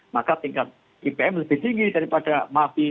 maka tingkat ipm lebih tinggi daripada mafi